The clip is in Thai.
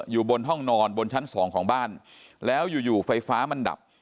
อยู่บนห้องนอนบนชั้นสองของบ้านแล้วอยู่อยู่ไฟฟ้ามันดับ